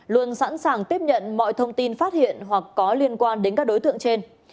luôn sẵn sàng tiếp nhận mọi thông tin phát hiện hoặc có liên quan đến các đối tượng trên